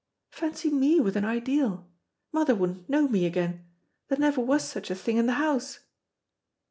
Fancy me with an ideal! Mother wouldn't know me again there never was such a thing in the house."